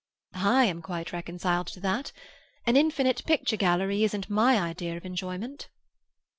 "I am quite reconciled to that. An infinite picture gallery isn't my idea of enjoyment."